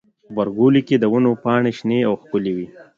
غبرګولی کې د ونو پاڼې شنې او ښکلي وي.